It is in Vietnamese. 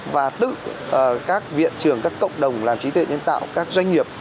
và tự các viện trường các cộng đồng làm trí tuệ nhân tạo các doanh nghiệp